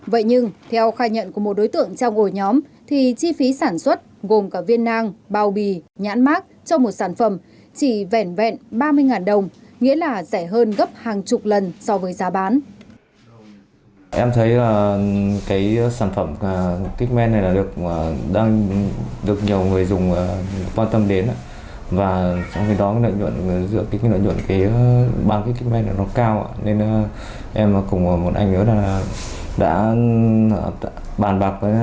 vậy nhưng theo khai nhận của một đối tượng trong ổ nhóm thì chi phí sản xuất gồm cả viên nang bao bì nhãn mát cho một sản phẩm chỉ vẹn vẹn ba mươi đồng nghĩa là rẻ hơn gấp hàng chục lần so với giá bán